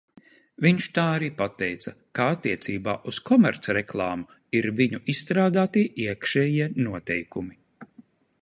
Viņš tā arī pateica, ka attiecībā uz komercreklāmu ir viņu izstrādātie iekšējie noteikumi.